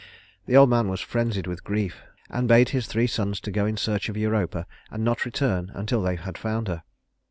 The old man was frenzied with grief, and bade his three sons to go in search of Europa and not return until they had found her.